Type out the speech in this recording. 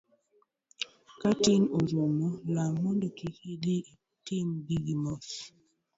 Ka tin orumo, lam mondo kiki itho, tim giki mos.